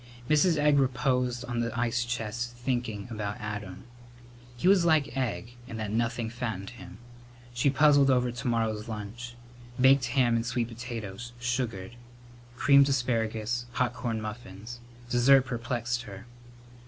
Mrs. Egg reposed on the ice chest thinking about Adam. He was like Egg, in that nothing fattened him. She puzzled over to morrow's lunch. Baked ham and sweet potatoes, sugared; creamed asparagus; hot corn muffins. Dessert perplexed her.